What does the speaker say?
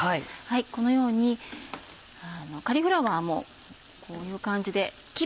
このようにカリフラワーもこういう感じで。